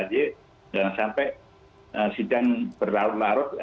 jangan sampai sidang berlarut larut